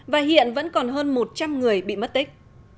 và hiện vẫn còn hơn một trăm linh người bị mất tích